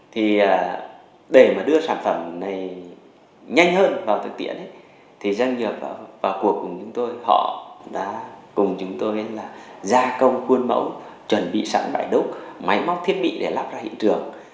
thì để mà đưa sản phẩm này nhanh hơn vào thực tiễn thì doanh nghiệp vào cuộc cùng chúng tôi họ đã cùng chúng tôi là gia công khuôn mẫu chuẩn bị sẵn loại đúc máy móc thiết bị để lắp ra hiện trường